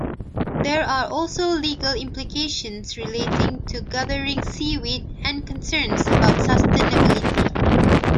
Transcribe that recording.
There are also legal implications relating to gathering seaweed, and concerns about sustainability.